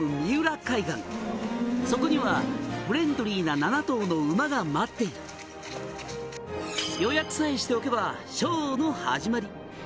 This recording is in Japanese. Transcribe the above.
「そこにはフレンドリーな７頭の馬が待っている」「予約さえしておけばショーの始まり」